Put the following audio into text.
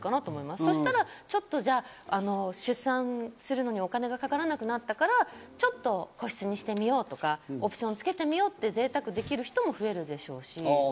そしたら、じゃあ、ちょっと出産するのにお金がかからなくなったから、ちょっと個室にしてみようとか、オプションつけてみようとか、贅沢できる人も増なるほどね。